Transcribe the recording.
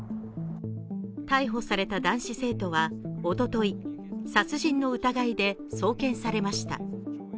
逮捕された男子生徒は、おととい、殺人の疑いで送検されました。